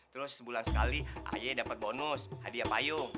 terus sebulan sekali ahy dapat bonus hadiah payung